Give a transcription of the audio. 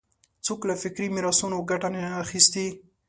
څوک له فکري میراثونو ګټه نه اخیستی